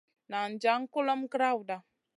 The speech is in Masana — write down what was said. Nan jaŋ kulomʼma grawda.